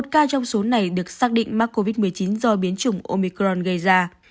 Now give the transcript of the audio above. một ca trong số này được xác định mắc covid một mươi chín do biến chủng omicron gây ra